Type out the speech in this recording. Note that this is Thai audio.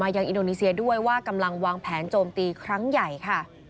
อินโดนีเซียด้วยว่ากำลังวางแผนโจมตีครั้งใหญ่ค่ะ